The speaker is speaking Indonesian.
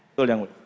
betul yang mulia